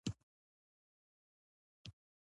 د رحمت دعا د مؤمن ژبه ده.